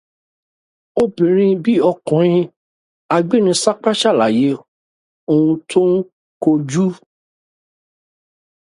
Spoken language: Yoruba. obìnrin bí ọkùnrin agbírinsápá ṣàlàyé houn tó ń kojú.